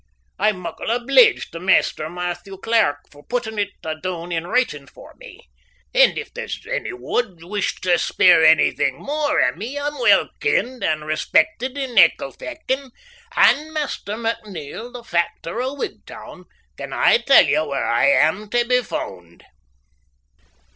I'm muckle obleeged tae Maister Mathew Clairk for puttin' it a' doon in writin' for me, and if there's ony would wish tae speer onything mair o' me I'm well kenned and respeckit in Ecclefechan, and Maister McNeil, the factor o' Wigtown, can aye tell where I am tae be foond.